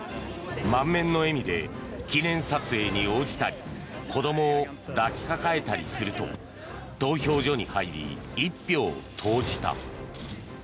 満面の笑みで記念撮影に応じたり子どもを抱きかかえたりすると投票所に入り、１票を投じた。